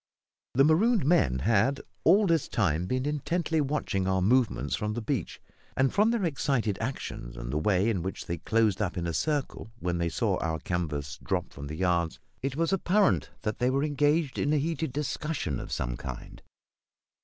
The marooned men had all this time been intently watching our movements from the beach; and, from their excited actions and the way in which they closed up in a circle when they saw our canvas drop from the yards, it was apparent that they were engaged in a heated discussion of some kind.